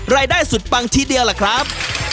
รายได้สุดปังทีเดียวล่ะครับ